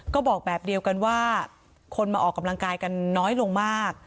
ก็บอกแบบเดียวกันว่าคนมาออกกำลังกายกันน้อยลงมาก